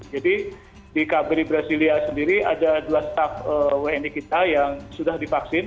jadi di kaberi brasilia sendiri ada dua staff wni kita yang sudah divaksin